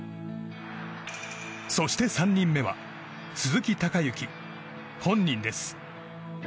そして、３人目は鈴木隆行本人です。